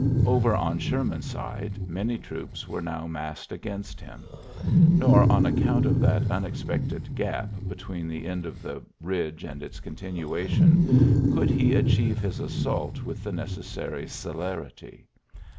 Over on Sherman's side many troops were now massed against him. Nor on account of that unexpected gap between the end of the ridge and its continuation could he achieve his assault with the necessary celerity.